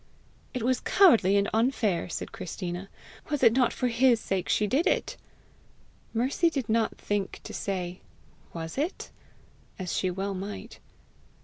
"It was cowardly and unfair," said Christina: "was it not for HIS sake she did it?" Mercy did not think to say "WAS IT?" as she well might.